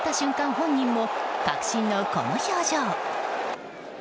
本人も確信のこの表情。